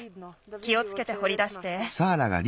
気をつけてほりだして。